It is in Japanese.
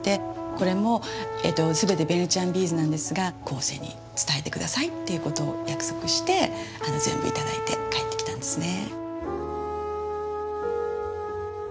これも全てベネチアンビーズなんですが後世に伝えてくださいっていうことを約束して全部頂いて帰ってきたんですね。